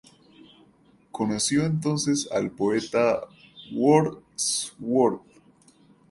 Conoció entonces al poeta Wordsworth.